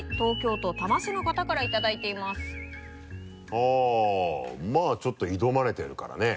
あっまぁちょっと挑まれてるからね。